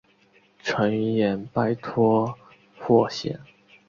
淳于衍拜托霍显。